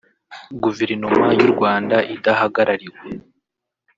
Guverinoma y’u Rwanda idahagarariwe